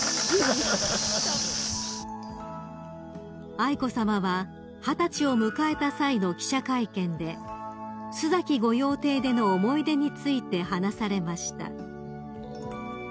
［愛子さまは二十歳を迎えた際の記者会見で須崎御用邸での思い出について話されました］